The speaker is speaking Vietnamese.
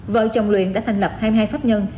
vợ chồng luyện đã thành lập hai mươi hai pháp nhân